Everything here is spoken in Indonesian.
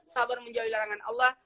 sabar menjawab larangan allah